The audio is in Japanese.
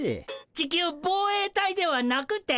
地球防衛隊ではなくて？